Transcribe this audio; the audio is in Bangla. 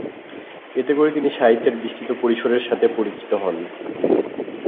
এতে করে তিনি সাহিত্যের বিস্তৃত পরিসরের সাথে পরিচিত হন।